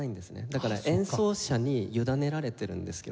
だから演奏者に委ねられてるんですけれども。